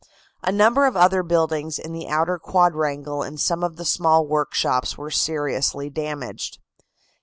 A number of other buildings in the outer quadrangle and some of the small workshops were seriously damaged.